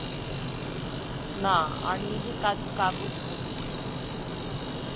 না, আর নিজে কাগজ করছি নে।